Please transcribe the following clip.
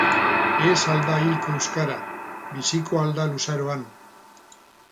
Ez ahal da hilko euskara, biziko ahal da luzaroan!